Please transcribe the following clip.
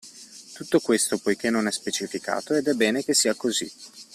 Tutto questo poichè non è specificato, ed è bene che sia così